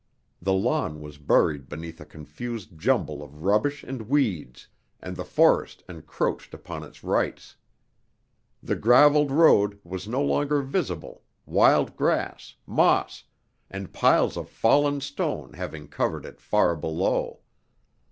The lawn was buried beneath a confused jumble of rubbish and weeds, and the forest encroached upon its rights. The graveled road was no longer visible, wild grass, moss, and piles of fallen stone having covered it far below.